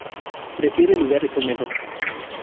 Prefiere lugares húmedos.